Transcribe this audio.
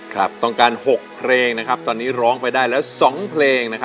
ขอต้องการ๖เพลงเราก็ร้องไปได้แล้ว๒เพลง